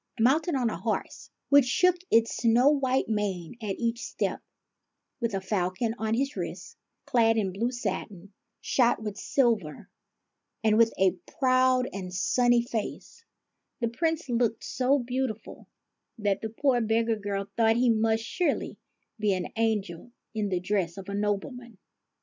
Mounted on a horse, which shook its snow white mane at each step, with a falcon on his wrist, clad in blue satin, shot with silver, and with a proud and sunny face, the Prince looked so beautiful that the poor beggar girl thought he must surely be an angel in the dress of a nobleman.